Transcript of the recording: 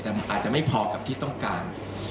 แต่อาจจะไม่พอกับที่ต้องการ